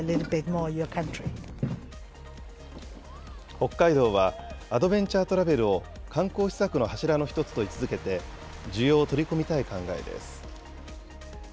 北海道は、アドベンチャートラベルを観光施策の柱の一つと位置づけて、需要を取り込みたい考えです。